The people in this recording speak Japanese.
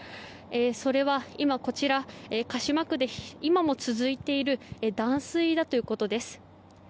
それは鹿島区で今も続いている断水だということです。